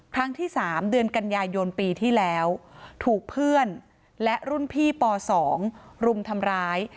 ครั้งที่๓เดือนกันยายนปีที่แล้วถูกเพื่อนและรุ่นพี่ป๒รุมทำร้าย